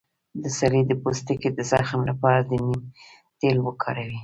د سر د پوستکي د زخم لپاره د نیم تېل وکاروئ